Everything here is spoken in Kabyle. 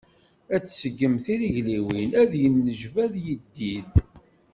Ad tseggem tirigliwin, ad yennejbad yiddid.